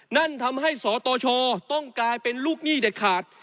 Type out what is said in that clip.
นั่นทำให้สตชต้องกลายเป็นลูกหนี้เด็ดขาด